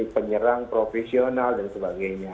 penyerang profesional dan sebagainya